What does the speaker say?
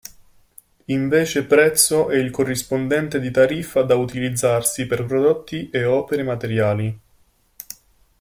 Invece prezzo è il corrispondente di tariffa da utilizzarsi per prodotti e opere materiali.